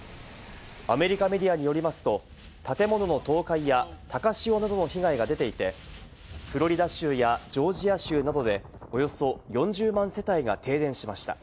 アメリカメディアによりますと、建物の倒壊や高潮などの被害が出ていてフロリダ州やジョージア州などで、およそ４０万世帯が停電しました。